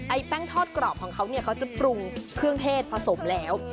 แป้งทอดกรอบของเขาเนี่ยเขาจะปรุงเครื่องเทศผสมแล้ว